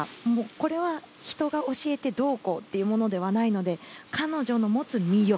これは、人が教えてどうこうというものではないので彼女の持つ魅力。